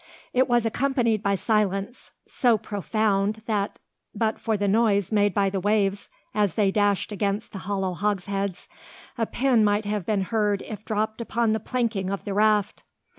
It was accompanied by silence; so profound that, but for the noise made by the waves as they dashed against the hollow hogsheads, a pin might have been heard if dropped upon the planking of the raft.